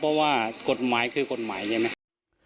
เพราะว่ากฎหมายคือกฎหมายใช่ไหม